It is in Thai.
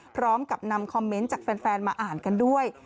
พร้อมกับนำคอมเมนต์จากแฟนมาอ่านกันด้วย